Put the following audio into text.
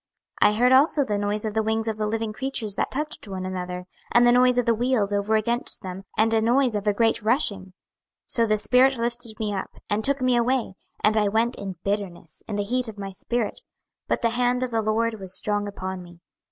26:003:013 I heard also the noise of the wings of the living creatures that touched one another, and the noise of the wheels over against them, and a noise of a great rushing. 26:003:014 So the spirit lifted me up, and took me away, and I went in bitterness, in the heat of my spirit; but the hand of the LORD was strong upon me.